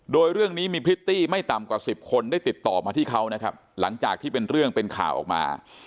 โดยเรื่องนี้มีพริตตี้ไม่ต่ำกว่าสิบคนได้ติดต่อมาที่เขานะครับหลังจากที่เป็นเรื่องเป็นข่าวออกมา